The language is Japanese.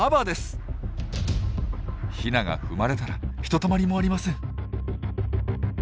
ヒナが踏まれたらひとたまりもありません。